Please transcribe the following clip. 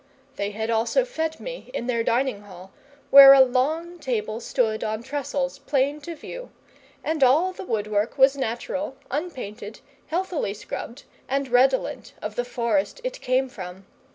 They had also fed me in their dining hall, where a long table stood on trestles plain to view, and all the woodwork was natural, unpainted, healthily scrubbed, and redolent of the forest it came from.